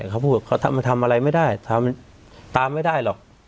เขาพูดว่ามันทำอะไรไม่ได้ตามไม่ได้หรอก